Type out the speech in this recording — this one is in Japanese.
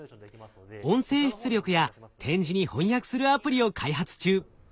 音声出力や点字に翻訳するアプリを開発中。